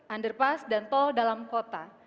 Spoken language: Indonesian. underpass dan tol dalam kota